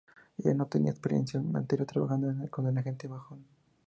Ella no tenía experiencia anterior trabajando con el agente Mahone.